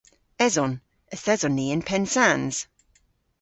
Eson. Yth eson ni yn Pennsans.